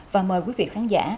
và mời quý vị khán giả